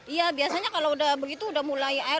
iya biasanya kalau begitu sudah mulai air